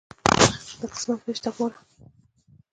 د قسمت ویش ته ګوره.